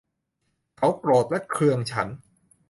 เขาโกรธและเคืองฉัน